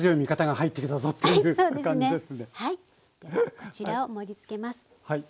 こちらを盛りつけます。